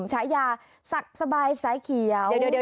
ใช้ยาสักสบายสายเขียว